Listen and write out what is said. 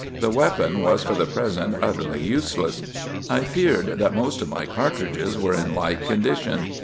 The weapon was for the present utterly useless. I feared that most of my cartridges were in like condition.